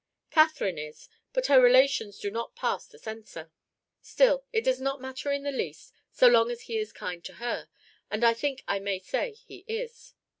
"Catherine is, but her relations do not pass the censor. Still, it does not matter in the least, so long as he is kind to her, and I think I may say he is."